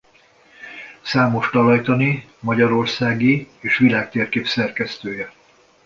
Számos talajtani magyarországi és világtérkép szerkesztője.